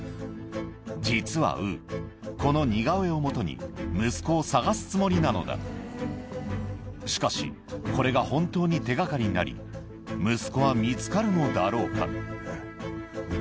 実はウーこの似顔絵をもとに息子を捜すつもりなのだしかしこれが本当に手掛かりになり息子は見つかるのだろうか？